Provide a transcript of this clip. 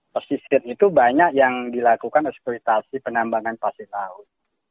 pesisir itu banyak yang dilakukan eksploitasi penambangan pasir laut